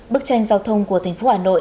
bức tranh giao thông của thành phố hà nội